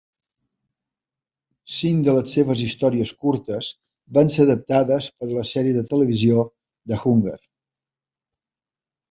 Cinc de les seves històries curtes van ser adaptades per a la sèrie de televisió "The Hunger".